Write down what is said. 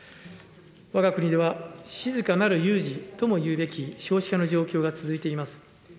わが国では、静かなる有事ともいうべき少子化の状況が続いています。